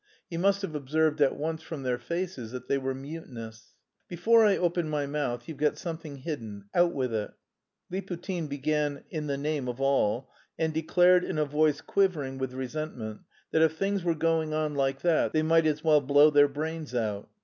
He must have observed at once from their faces that they were "mutinous." "Before I open my mouth, you've got something hidden; out with it." Liputin began "in the name of all," and declared in a voice quivering with resentment "that if things were going on like that they might as well blow their brains out."